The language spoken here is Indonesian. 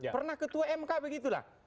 pernah ketua mk begitu lah